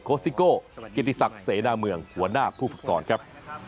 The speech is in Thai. โคซิโกกิติศักดิ์เสนาเมืองหัวหน้าผู้ฝึกศรครับ